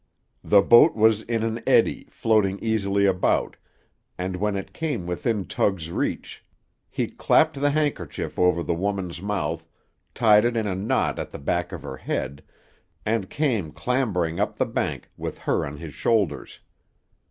The boat was in an eddy, floating easily about, and when it came within Tug's reach, he clapped the handkerchief over the woman's mouth, tied it in a knot at the back of her head, and came clambering up the bank with her on his shoulders.